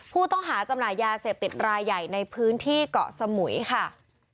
ผู้ต้องหาจำหน่ายยาเสพติดรายใหญ่ในพื้นที่เกาะสมุยค่ะ